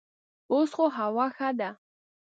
اوس خو هوا ښه ده.